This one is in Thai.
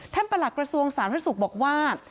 ประหลักกระทรวงสาธารณสุขบอกว่า